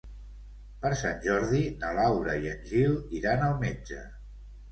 Per Sant Jordi na Laura i en Gil iran al metge.